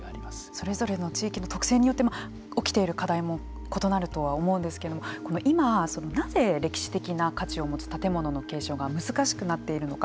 それぞれの地域の特性によって起きている課題も異なるとは思うんですけれども今なぜ歴史的な価値を持つ建物の継承が難しくなっているのか。